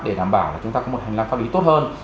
để đảm bảo là chúng ta có một hành lang pháp lý tốt hơn